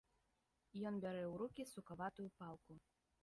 Ён бярэ ў рукі сукаватую палку.